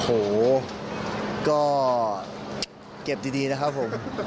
โอ้โหก็เก็บดีนะครับผม